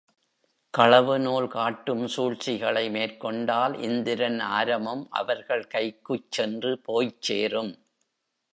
களவு நூல் காட்டும் சூழ்ச்சிகளை மேற்கொண்டால் இந்திரன் ஆரமும் அவர்கள் கைக்குச் சென்று போய்ச் சேரும்.